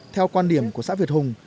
theo quan điểm của xã việt hùng